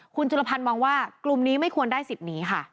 คุณจุลพันธ์มองว่ากลุ่มนี้ไม่ควรได้สิทธิ์นี้ค่ะ